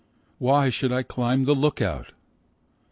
Why should I climb the look out